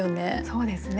そうですね。